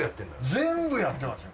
全部やってますよ。